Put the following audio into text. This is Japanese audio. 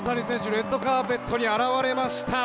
レッドカーペットに現れました。